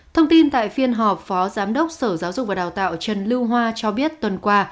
thông tin tại phiên họp phó giám đốc sở giáo dục và đào tạo trần lưu hoa cho biết tuần qua